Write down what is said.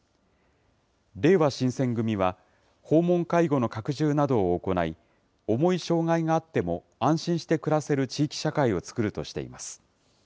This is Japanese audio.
れいわ新選組は、訪問介護の拡充などを行い、重い障害があっても、安心して暮らせる地域社会を作るとしています。